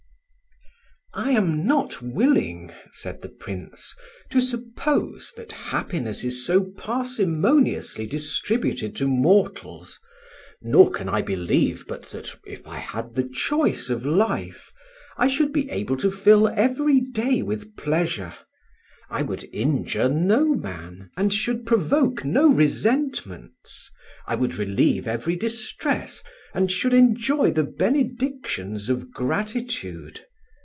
"I AM not willing," said the Prince, "to suppose that happiness is so parsimoniously distributed to mortals, nor can I believe but that, if I had the choice of life, I should be able to fill every day with pleasure. I would injure no man, and should provoke no resentments; I would relieve every distress, and should enjoy the benedictions of gratitude.